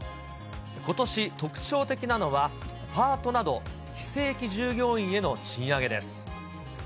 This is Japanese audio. ことし特徴的なのは、パートなど非正規従業員への賃上げです。